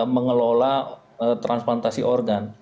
mengelola transplantasi organ